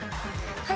はい。